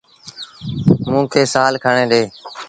موݩ سآل تا کڻي ڏي۔